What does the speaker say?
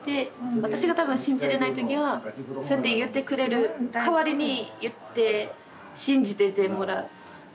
私が多分信じれない時はそうやって言ってくれる代わりに言って信じててもらう。